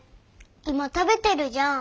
今食べてるじゃん。